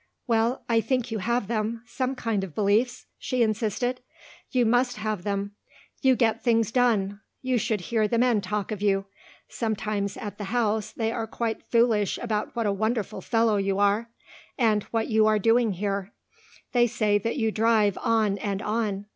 "Well, I think you have them some kind of beliefs," she insisted, "you must have them. You get things done. You should hear the men talk of you. Sometimes at the house they are quite foolish about what a wonderful fellow you are and what you are doing here. They say that you drive on and on.